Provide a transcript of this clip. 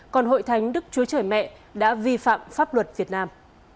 còn hội thánh đức chúa trời mẹ đã vi phạm pháp luật việt nam